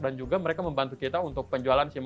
dan juga mereka membantu kita untuk penjualan